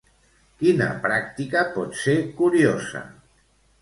Quina pràctica pot ser curiosa?